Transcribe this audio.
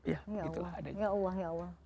ya allah ya allah